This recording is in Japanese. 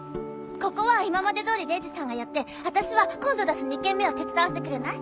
ここは今までどおり礼二さんがやって私は今度出す２軒目を手伝わせてくれない？